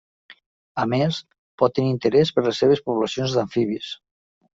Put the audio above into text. A més, pot tenir interès per les seves poblacions d'amfibis.